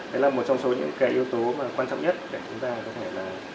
đấy là một trong số những cái yếu tố